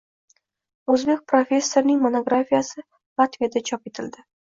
O‘zbek professorining monografiyasi Latviyada chop etildi